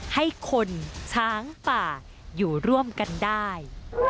ให้คนช้างป่าอยู่ร่วมกันได้